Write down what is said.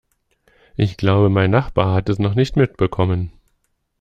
Ich glaube, mein Nachbar hat es noch nicht mitbekommen.